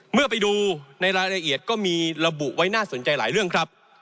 เมื่อไปดูในรายละเอียดก็มีระบุไว้น่าสนใจหลายเรื่องครับ